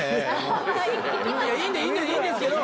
いいんですけど。